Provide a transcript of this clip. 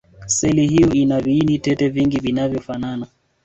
seli hiyo ina viini tete vingi vinavyofanana